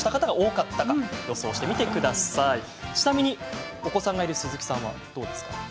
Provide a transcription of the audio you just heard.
ちなみに、お子さんがいる鈴木さんはどうですか？